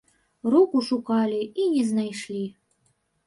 Руку шукалі і не знайшлі.